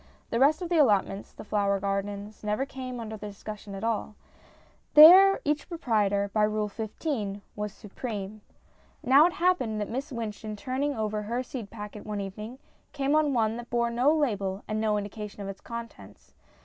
The rest of the allotments, the flower gardens, never came under discussion at all ; there each proprietor, by Rule 15, was supreme. 256 STORIES IN GREY Now it happened that Miss Wynch in turning over her seed packet one evening, came on one that bore no label and no indication of its contents.